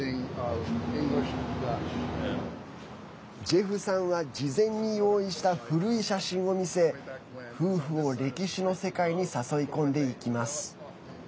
ジェフさんは事前に用意した古い写真を見せ夫婦を歴史の世界に誘い込んでいきます。